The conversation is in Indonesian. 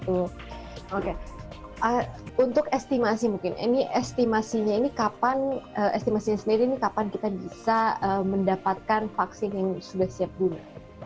untuk estimasi mungkin estimasi ini sendiri ini kapan kita bisa mendapatkan vaksin yang sudah siap dulu